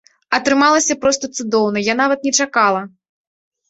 Атрымалася проста цудоўна, я нават не чакала.